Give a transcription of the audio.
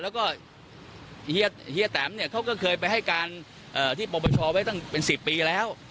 แล้วก็เฮียเฮียแตมเนี้ยเขาก็เคยไปให้การเอ่อที่ปปชเอาไว้ตั้งเป็นสิบปีแล้ว